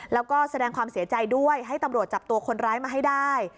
แล้วก็แสดงความเสียใจด้วยให้ตำรวจจับตัวคนร้ายมาให้ได้